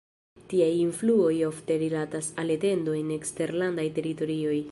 Tiaj influoj ofte rilatas al etendo en eksterlandaj teritorioj.